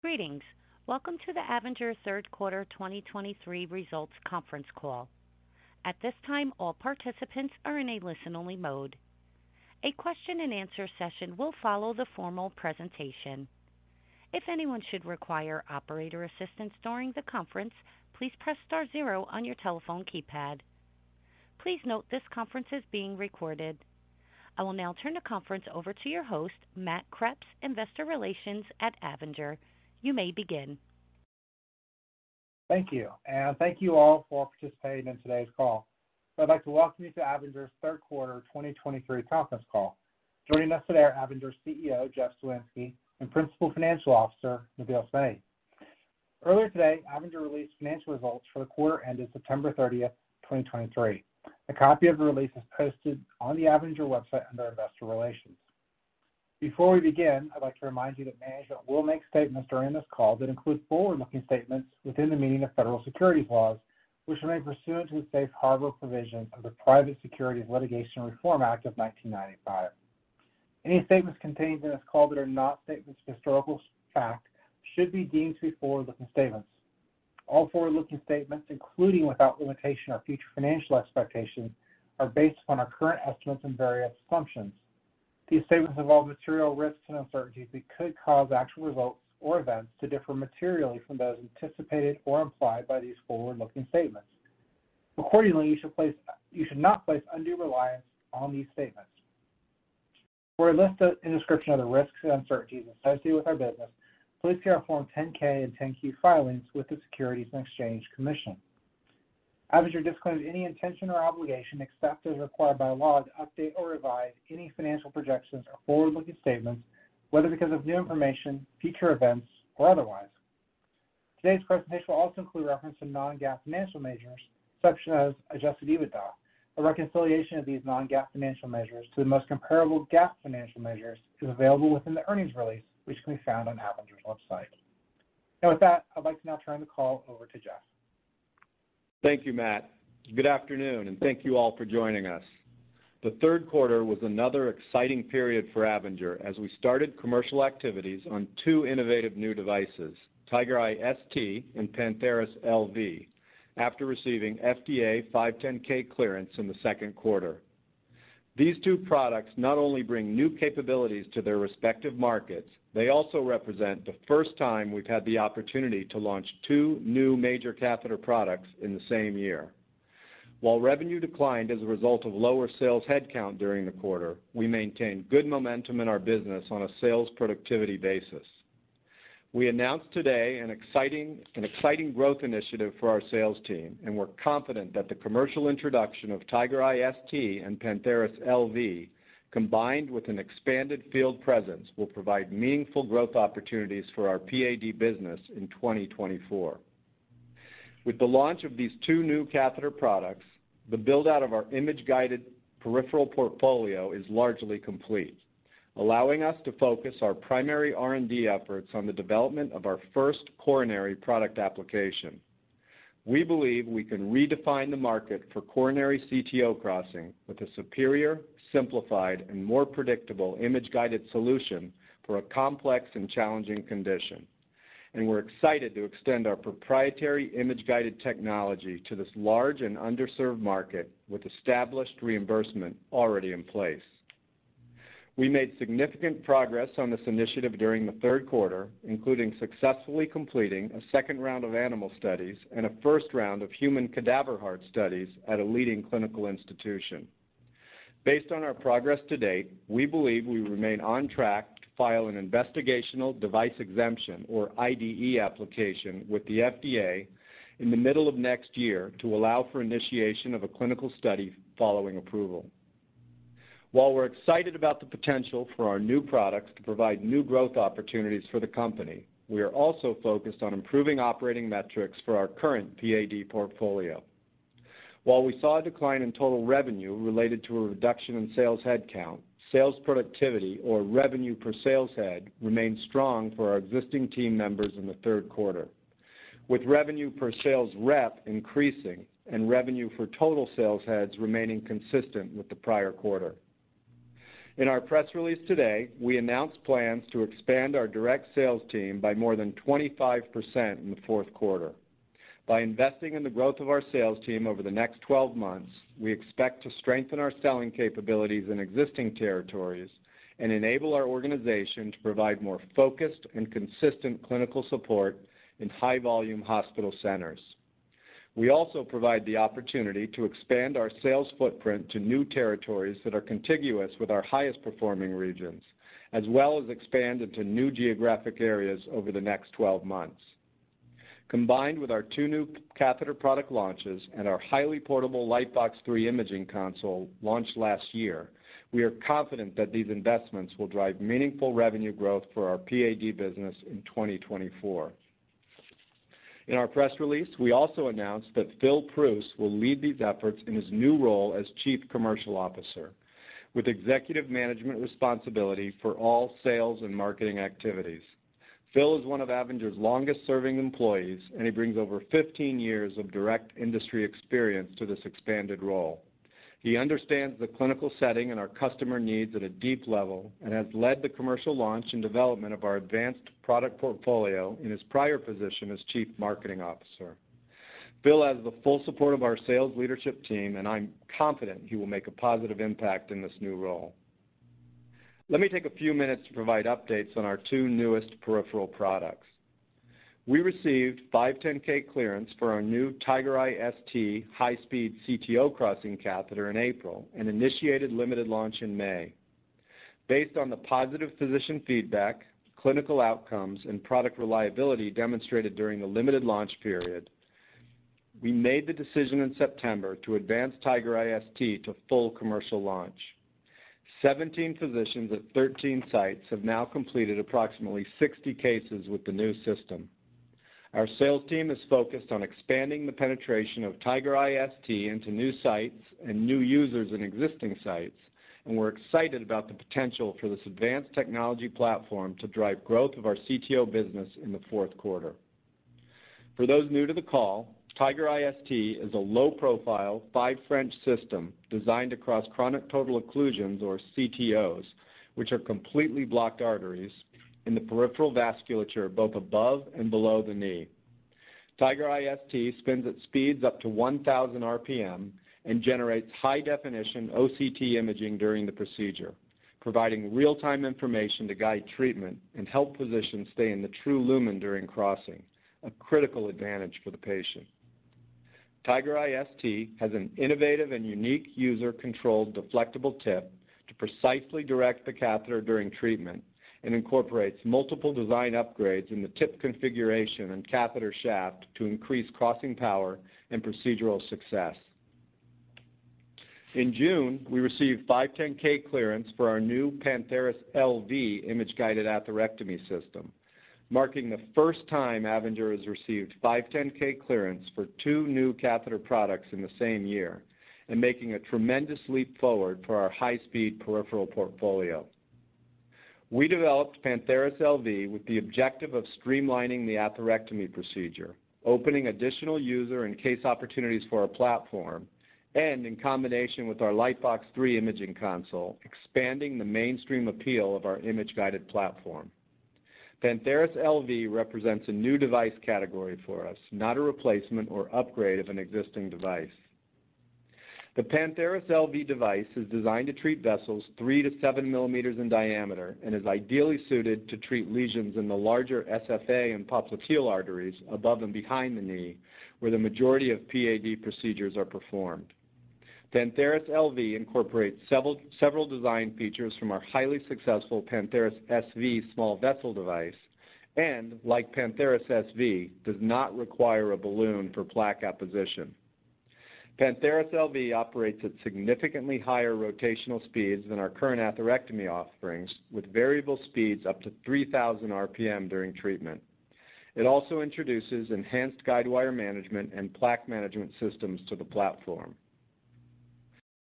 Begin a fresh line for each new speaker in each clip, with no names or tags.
Greetings. Welcome to the Avinger Third Quarter 2023 Results Conference Call. At this time, all participants are in a listen-only mode. A question-and-answer session will follow the formal presentation. If anyone should require operator assistance during the conference, please press star zero on your telephone keypad. Please note, this conference is being recorded. I will now turn the conference over to your host, Matt Kreps, Investor Relations at Avinger. You may begin.
Thank you, and thank you all for participating in today's call. I'd like to welcome you to Avinger's third quarter 2023 conference call. Joining us today are Avinger's CEO, Jeff Soinski, and Principal Financial Officer, Nabeel Subainati. Earlier today, Avinger released financial results for the quarter ended September 30, 2023. A copy of the release is posted on the Avinger website under Investor Relations. Before we begin, I'd like to remind you that management will make statements during this call that include forward-looking statements within the meaning of federal securities laws, which remain pursuant to the safe harbor provision of the Private Securities Litigation Reform Act of 1995. Any statements contained in this call that are not statements of historical fact should be deemed to be forward-looking statements. All forward-looking statements, including without limitation our future financial expectations, are based on our current estimates and various assumptions. These statements involve material risks and uncertainties that could cause actual results or events to differ materially from those anticipated or implied by these forward-looking statements. Accordingly, you should not place undue reliance on these statements. For a list and description of the risks and uncertainties associated with our business, please see our Form 10-K and 10-Q filings with the U.S. Securities and Exchange Commission. Avinger disclaims any intention or obligation, except as required by law, to update or revise any financial projections or forward-looking statements, whether because of new information, future events, or otherwise. Today's presentation will also include reference to non-GAAP financial measures, such as adjusted EBITDA. A reconciliation of these non-GAAP financial measures to the most comparable GAAP financial measures is available within the earnings release, which can be found on Avinger's website. Now, with that, I'd like to now turn the call over to Jeff.
Thank you, Matt. Good afternoon, and thank you all for joining us. The third quarter was another exciting period for Avinger as we started commercial activities on two innovative new devices, Tigereye ST and Pantheris LV, after receiving FDA 510(k) clearance in the second quarter. These two products not only bring new capabilities to their respective markets, they also represent the first time we've had the opportunity to launch two new major catheter products in the same year. While revenue declined as a result of lower sales headcount during the quarter, we maintained good momentum in our business on a sales productivity basis. We announced today an exciting growth initiative for our sales team, and we're confident that the commercial introduction of Tigereye ST and Pantheris LV, combined with an expanded field presence, will provide meaningful growth opportunities for our PAD business in 2024. With the launch of these two new catheter products, the build-out of our image-guided peripheral portfolio is largely complete, allowing us to focus our primary R&D efforts on the development of our first coronary product application. We believe we can redefine the market for coronary CTO crossing with a superior, simplified, and more predictable image-guided solution for a complex and challenging condition. We're excited to extend our proprietary image-guided technology to this large and underserved market with established reimbursement already in place. We made significant progress on this initiative during the third quarter, including successfully completing a second round of animal studies and a first round of human cadaver heart studies at a leading clinical institution. Based on our progress to date, we believe we remain on track to file an investigational device exemption, or IDE application, with the U.S. Food and Drug Administration in the middle of next year to allow for initiation of a clinical study following approval. While we're excited about the potential for our new products to provide new growth opportunities for the company, we are also focused on improving operating metrics for our current PAD portfolio. While we saw a decline in total revenue related to a reduction in sales headcount, sales productivity or revenue per sales head remained strong for our existing team members in the third quarter, with revenue per sales rep increasing and revenue for total sales heads remaining consistent with the prior quarter. In our press release today, we announced plans to expand our direct sales team by more than 25% in the fourth quarter. By investing in the growth of our sales team over the next 12 months, we expect to strengthen our selling capabilities in existing territories and enable our organization to provide more focused and consistent clinical support in high-volume hospital centers. We also provide the opportunity to expand our sales footprint to new territories that are contiguous with our highest performing regions, as well as expand into new geographic areas over the next 12 months. Combined with our two new catheter product launches and our highly portable Lightbox 3 imaging console launched last year, we are confident that these investments will drive meaningful revenue growth for our PAD business in 2024. In our press release, we also announced that Phil Preuss will lead these efforts in his new role as Chief Commercial Officer, with executive management responsibility for all sales and marketing activities. Phil is one of Avinger's longest-serving employees, and he brings over 15 years of direct industry experience to this expanded role. He understands the clinical setting and our customer needs at a deep level and has led the commercial launch and development of our advanced product portfolio in his prior position as Chief Marketing Officer. Bill has the full support of our sales leadership team, and I'm confident he will make a positive impact in this new role. Let me take a few minutes to provide updates on our two newest peripheral products. We received 510(k) clearance for our new Tigereye ST high-speed CTO crossing catheter in April and initiated limited launch in May. Based on the positive physician feedback, clinical outcomes, and product reliability demonstrated during the limited launch period, we made the decision in September to advance Tigereye ST to full commercial launch. Seventeen physicians at thirteen sites have now completed approximately 60 cases with the new system. Our sales team is focused on expanding the penetration of Tigereye ST into new sites and new users in existing sites, and we're excited about the potential for this advanced technology platform to drive growth of our CTO business in the fourth quarter. For those new to the call, Tigereye ST is a low-profile, five French system designed to cross chronic total occlusions, or CTOs, which are completely blocked arteries in the peripheral vasculature, both above and below the knee. Tigereye ST spins at speeds up to 1,000 RPM and generates high-definition OCT imaging during the procedure, providing real-time information to guide treatment and help physicians stay in the true lumen during crossing, a critical advantage for the patient. Tigereye ST has an innovative and unique user-controlled deflectable tip to precisely direct the catheter during treatment and incorporates multiple design upgrades in the tip configuration and catheter shaft to increase crossing power and procedural success. In June, we received 510(k) clearance for our new Pantheris LV image-guided atherectomy system, marking the first time Avinger has received 510(k) clearance for two new catheter products in the same year and making a tremendous leap forward for our high-speed peripheral portfolio. We developed Pantheris LV with the objective of streamlining the atherectomy procedure, opening additional user and case opportunities for our platform, and in combination with our Lightbox 3 imaging console, expanding the mainstream appeal of our image-guided platform. Pantheris LV represents a new device category for us, not a replacement or upgrade of an existing device. The Pantheris LV device is designed to treat vessels 3-7 millimeters in diameter and is ideally suited to treat lesions in the larger SFA and popliteal arteries above and behind the knee, where the majority of PAD procedures are performed. Pantheris LV incorporates several design features from our highly successful Pantheris SV small vessel device, and like Pantheris SV, does not require a balloon for plaque apposition. Pantheris LV operates at significantly higher rotational speeds than our current atherectomy offerings, with variable speeds up to 3,000 RPM during treatment. It also introduces enhanced guidewire management and plaque management systems to the platform.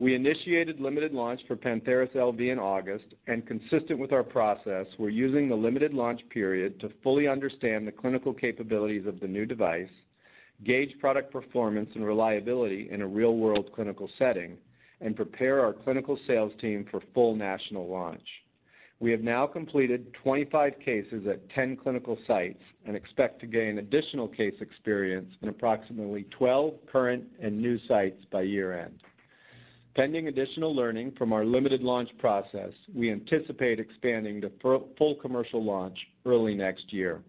We initiated limited launch for Pantheris LV in August, and consistent with our process, we're using the limited launch period to fully understand the clinical capabilities of the new device, gauge product performance and reliability in a real-world clinical setting, and prepare our clinical sales team for full national launch. We have now completed 25 cases at 10 clinical sites and expect to gain additional case experience in approximately 12 current and new sites by year-end. Pending additional learning from our limited launch process, we anticipate expanding to full commercial launch early next year.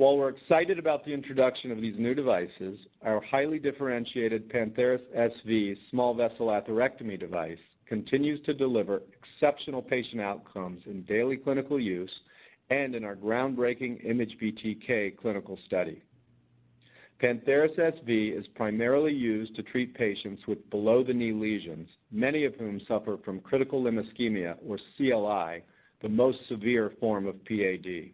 While we're excited about the introduction of these new devices, our highly differentiated Pantheris SV small vessel atherectomy device continues to deliver exceptional patient outcomes in daily clinical use and in our groundbreaking IMAGE-BTK clinical study. Pantheris SV is primarily used to treat patients with below-the-knee lesions, many of whom suffer from critical limb ischemia, or CLI, the most severe form of PAD.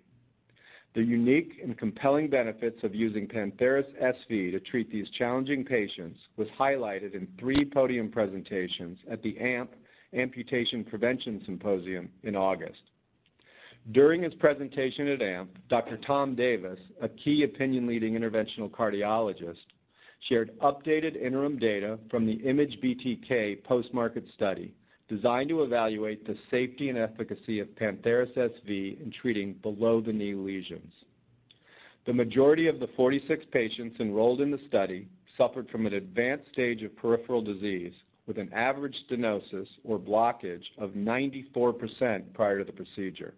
The unique and compelling benefits of using Pantheris SV to treat these challenging patients was highlighted in three podium presentations at the AMP Amputation Prevention Symposium in August. During his presentation at AMP, Dr. Thomas Davis, a key opinion leading interventional cardiologist, shared updated interim data from the IMAGE-BTK post-market study, designed to evaluate the safety and efficacy of Pantheris SV in treating below-the-knee lesions. The majority of the 46 patients enrolled in the study suffered from an advanced stage of peripheral disease, with an average stenosis or blockage of 94% prior to the procedure.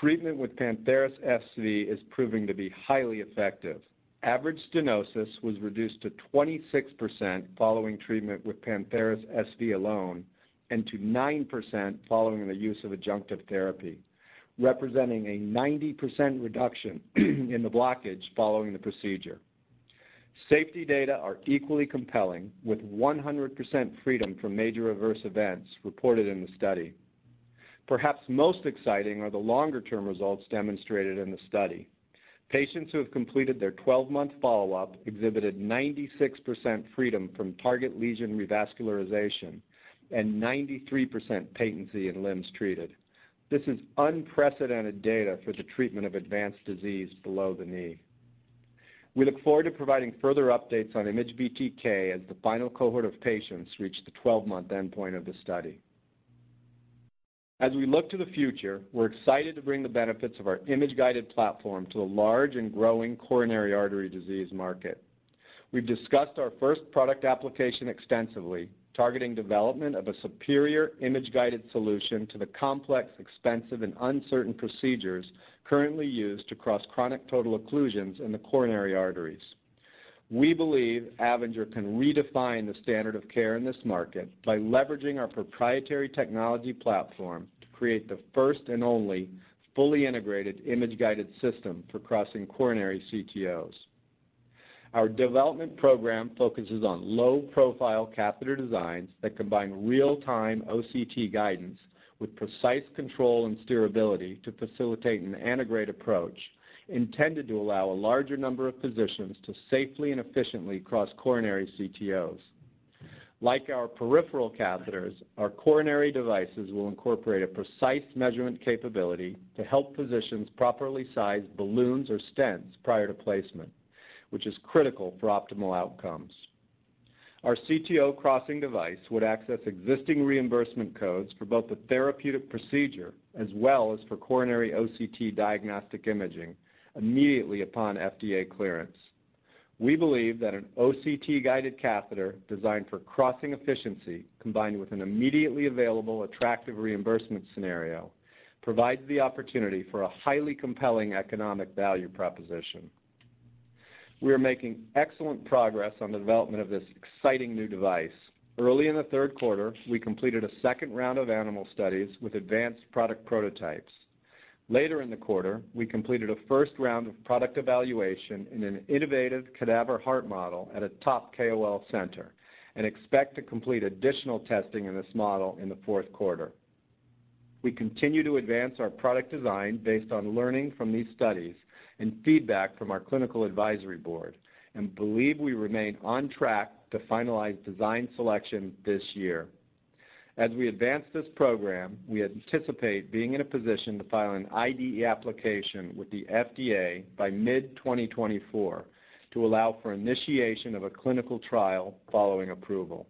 Treatment with Pantheris SV is proving to be highly effective. Average stenosis was reduced to 26% following treatment with Pantheris SV alone and to 9% following the use of adjunctive therapy, representing a 90% reduction in the blockage following the procedure. Safety data are equally compelling, with 100% freedom from major adverse events reported in the study. Perhaps most exciting are the longer-term results demonstrated in the study. Patients who have completed their 12-month follow-up exhibited 96% freedom from target lesion revascularization and 93% patency in limbs treated. This is unprecedented data for the treatment of advanced disease below the knee. We look forward to providing further updates on IMAGE-BTK as the final cohort of patients reach the 12-month endpoint of the study. As we look to the future, we're excited to bring the benefits of our image-guided platform to the large and growing coronary artery disease market. We've discussed our first product application extensively, targeting development of a superior image-guided solution to the complex, expensive, and uncertain procedures currently used to cross chronic total occlusions in the coronary arteries. We believe Avinger can redefine the standard of care in this market by leveraging our proprietary technology platform to create the first and only fully integrated image-guided system for crossing coronary CTOs. Our development program focuses on low-profile catheter designs that combine real-time OCT guidance with precise control and steerability to facilitate an integrated approach, intended to allow a larger number of physicians to safely and efficiently cross coronary CTOs. Like our peripheral catheters, our coronary devices will incorporate a precise measurement capability to help physicians properly size balloons or stents prior to placement, which is critical for optimal outcomes. Our CTO crossing device would access existing reimbursement codes for both the therapeutic procedure as well as for coronary OCT diagnostic imaging immediately upon FDA clearance. We believe that an OCT guided catheter designed for crossing efficiency, combined with an immediately available attractive reimbursement scenario, provides the opportunity for a highly compelling economic value proposition. We are making excellent progress on the development of this exciting new device. Early in the third quarter, we completed a second round of animal studies with advanced product prototypes. Later in the quarter, we completed a first round of product evaluation in an innovative cadaver heart model at a top KOL center, and expect to complete additional testing in this model in the fourth quarter. We continue to advance our product design based on learning from these studies and feedback from our clinical advisory board, and believe we remain on track to finalize design selection this year. As we advance this program, we anticipate being in a position to file an IDE application with the FDA by mid-2024 to allow for initiation of a clinical trial following approval.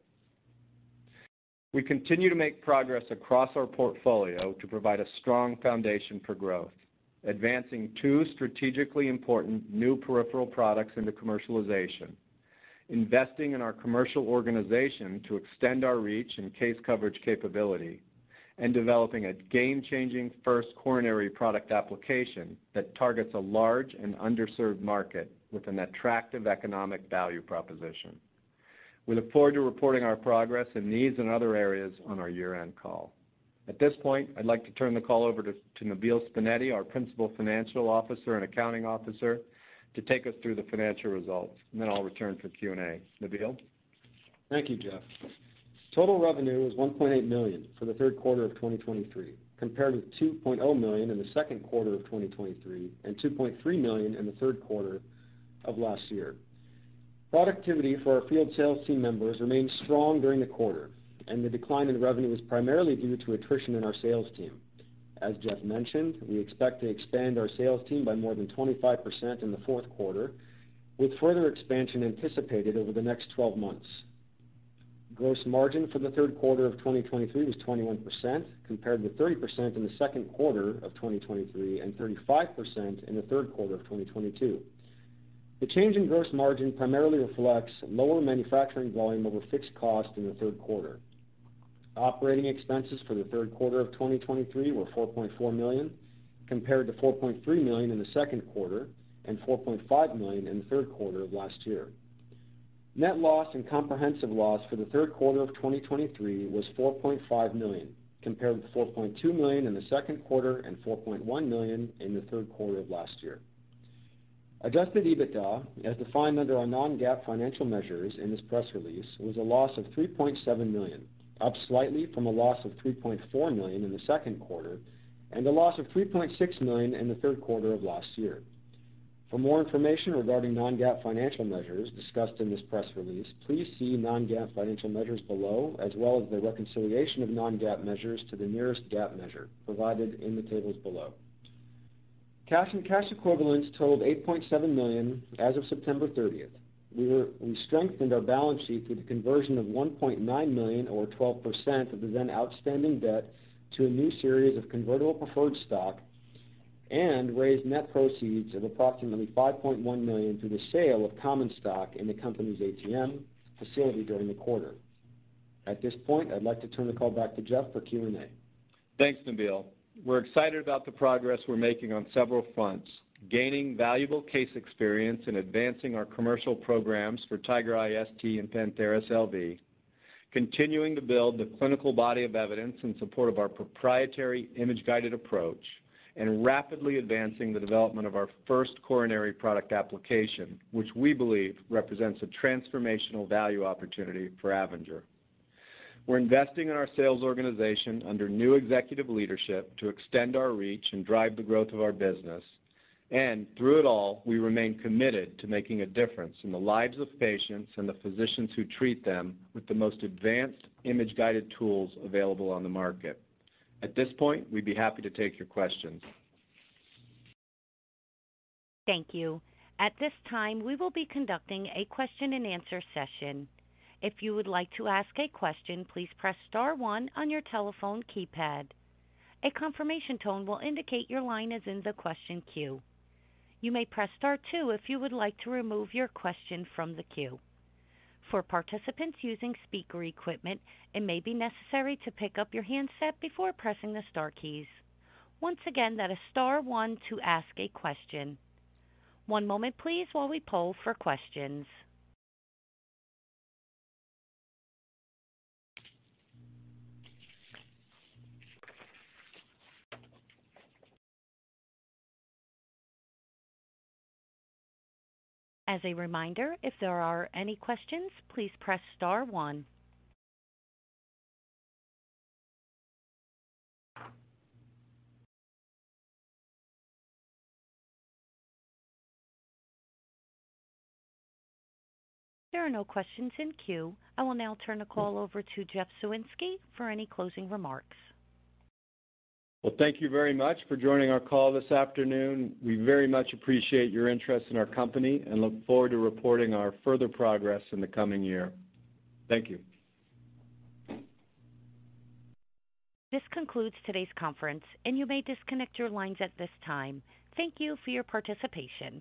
We continue to make progress across our portfolio to provide a strong foundation for growth, advancing two strategically important new peripheral products into commercialization, investing in our commercial organization to extend our reach and case coverage capability, and developing a game-changing first coronary product application that targets a large and underserved market with an attractive economic value proposition. We look forward to reporting our progress in these and other areas on our year-end call. At this point, I'd like to turn the call over to Nabeel Subainati, our Principal Financial Officer and Accounting Officer, to take us through the financial results, and then I'll return for Q&A. Nabeel?
Thank you, Jeff. Total revenue was $1.8 million for the third quarter of 2023, compared with $2.0 million in the second quarter of 2023 and $2.3 million in the third quarter of last year. Productivity for our field sales team members remained strong during the quarter, and the decline in revenue was primarily due to attrition in our sales team. As Jeff mentioned, we expect to expand our sales team by more than 25% in the fourth quarter, with further expansion anticipated over the next 12 months. Gross margin for the third quarter of 2023 was 21%, compared with 30% in the second quarter of 2023 and 35% in the third quarter of 2022. The change in gross margin primarily reflects lower manufacturing volume over fixed cost in the third quarter. Operating expenses for the third quarter of 2023 were $4.4 million, compared to $4.3 million in the second quarter and $4.5 million in the third quarter of last year. Net loss and comprehensive loss for the third quarter of 2023 was $4.5 million, compared to $4.2 million in the second quarter and $4.1 million in the third quarter of last year. Adjusted EBITDA, as defined under our non-GAAP financial measures in this press release, was a loss of $3.7 million, up slightly from a loss of $3.4 million in the second quarter and a loss of $3.6 million in the third quarter of last year. For more information regarding non-GAAP financial measures discussed in this press release, please see non-GAAP financial measures below, as well as the reconciliation of non-GAAP measures to the nearest GAAP measure provided in the tables below. Cash and cash equivalents totaled $8.7 million as of September 30th. We strengthened our balance sheet with a conversion of $1.9 million, or 12%, of the then outstanding debt to a new series of convertible preferred stock and raised net proceeds of approximately $5.1 million through the sale of common stock in the company's ATM facility during the quarter. At this point, I'd like to turn the call back to Jeff for Q&A.
Thanks, Nabeel. We're excited about the progress we're making on several fronts, gaining valuable case experience in advancing our commercial programs for Tigereye ST and Pantheris LV, continuing to build the clinical body of evidence in support of our proprietary image-guided approach, and rapidly advancing the development of our first coronary product application, which we believe represents a transformational value opportunity for Avinger. We're investing in our sales organization under new executive leadership to extend our reach and drive the growth of our business, and through it all, we remain committed to making a difference in the lives of patients and the physicians who treat them with the most advanced image-guided tools available on the market. At this point, we'd be happy to take your questions.
Thank you. At this time, we will be conducting a question-and-answer session. If you would like to ask a question, please press star one on your telephone keypad. A confirmation tone will indicate your line is in the question queue. You may press star two if you would like to remove your question from the queue. For participants using speaker equipment, it may be necessary to pick up your handset before pressing the star keys. Once again, that is star one to ask a question. One moment please while we poll for questions. As a reminder, if there are any questions, please press star one. There are no questions in queue. I will now turn the call over to Jeff Soinski for any closing remarks.
Well, thank you very much for joining our call this afternoon. We very much appreciate your interest in our company and look forward to reporting our further progress in the coming year. Thank you.
This concludes today's conference, and you may disconnect your lines at this time. Thank you for your participation.